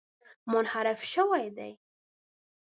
منحرف شوي دي.